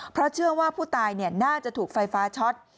เพราะเชื่อว่าผู้ตายน่าจะถูกไฟฟ้าช็อต